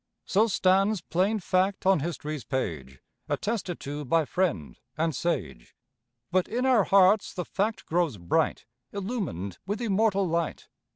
So stands plain fact on history's page, Attested to by friend and sage. But in our hearts the fact grows bright, Illumined with immortal light.